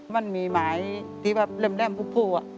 มันมีหมายที่แบบแดมพุก